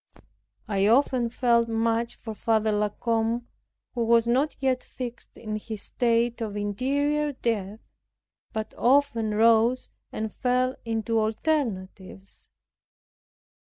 I often felt much for Father La Combe, who was not yet fixed in his state of interior death, but often rose and fell into alternatives.